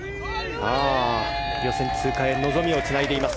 予選通過へ望みをつないでいます。